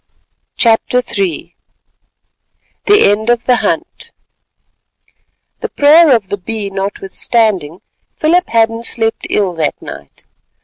CHAPTER III THE END OF THE HUNT The prayer of the Bee notwithstanding, Philip Hadden slept ill that night.